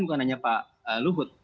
bukan hanya pak luhut